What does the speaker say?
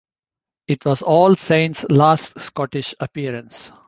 It was All Saints' last Scottish appearance.